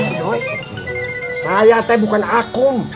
idoi saya teh bukan akum